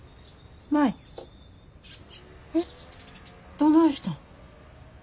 どないしたん。